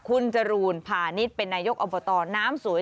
คุณจรูนพาณิชย์เป็นนายกอบตน้ำสวย